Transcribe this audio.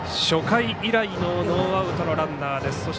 初回以来のノーアウトのランナーです。